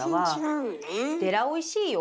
でらおいしいよ。